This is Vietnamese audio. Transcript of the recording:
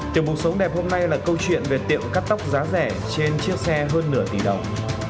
tiểu mục sống đẹp hôm nay là câu chuyện về tiệm cắt tóc giá rẻ trên chiếc xe hơn nửa tỷ đồng